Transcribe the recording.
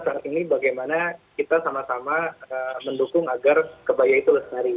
saat ini bagaimana kita sama sama mendukung agar kebaya itu lestari